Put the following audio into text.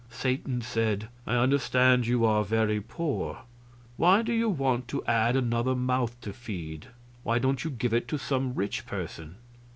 Satan said: "I understand you are very poor. Why do you want to add another mouth to feed? Why don't you give it to some rich person?"